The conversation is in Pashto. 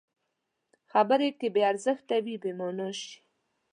خبرې که بې ارزښته وي، بېمانا شي.